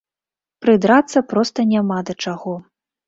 Прыдрацца проста няма да чаго.